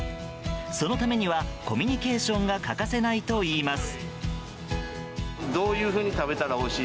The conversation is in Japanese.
そのためにはコミュニケーションが欠かせないといいます。